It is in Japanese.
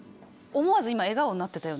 思わず今笑顔になってたよね。